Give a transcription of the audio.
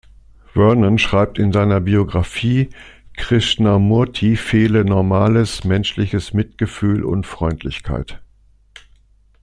Vernon schreibt in seiner Biographie, Krishnamurti fehle normales menschliches Mitgefühl und Freundlichkeit.